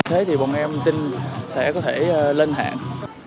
thế thì bọn em tin sẽ có thể lên hạn